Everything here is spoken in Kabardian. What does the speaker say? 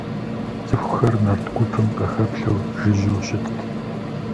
ЦӀыхухэр нарт гупым къахэплъэу жыжьэу щытт.